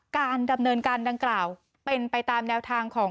การดำเนินการดังกล่าวเป็นไปตามแนวทางของ